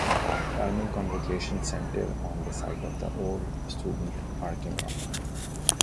Carmel Convocation Center on the site of the old student parking lot.